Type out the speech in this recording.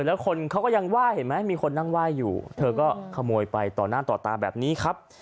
แล้วคนเขาก็ยังไหว้เห็นไหมมีคนนั่งไหว้อยู่เธอก็ขโมยไปต่อหน้าต่อตาแบบนี้ครับ